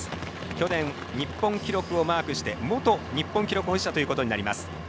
去年日本記録をマークして元日本記録保持者ということになります。